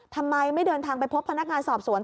ทำไมไม่เดินทางไปพบพนักงานสอบสวน